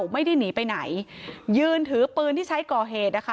ไม่ได้หนีไปไหนยืนถือปืนที่ใช้ก่อเหตุนะคะ